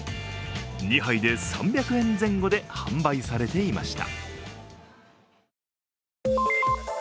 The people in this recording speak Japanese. ２杯で３００円前後で販売されていました。